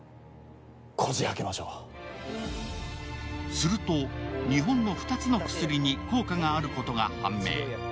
すると、日本の２つの薬に効果があることが判明。